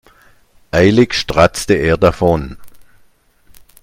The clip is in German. Eilig stratzte er davon.